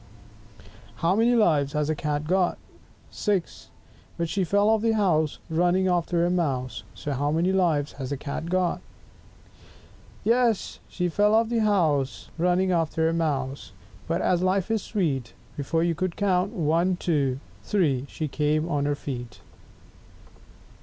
7 How many Lives has the Cat got? SIX! But she fell off the house, Running after a mouse; So how many Lives has the Cat got? 8 Yes, she fell off the house Running after a mouse; But, as life is sweet, Before you could count ONE, TWO, THREE, she came on her feet.